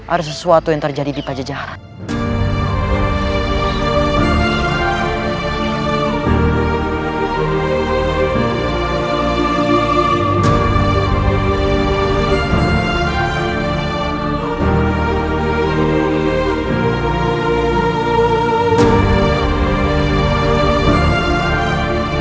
ada sesuatu yang terjadi di pajajahara